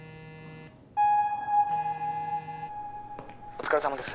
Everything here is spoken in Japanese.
お疲れさまです。